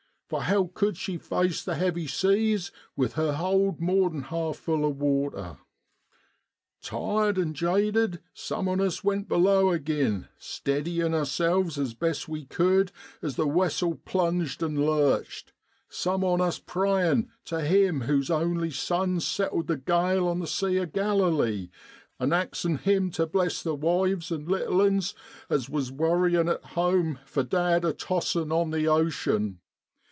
for how cud she face the heavy seas with her hold more'an half full o' water? 1 Tired and jaded, some on us went below agin, steadyin' ourselves as best we could as the wessel plunged an' lurched some on us prayin' tu Him whose only Son settled the gale on the Sea o' Gralilee, an' axin' Him tu bless the wives and little 'uns as was worryin' at home for dad a tossin' on the ocean.'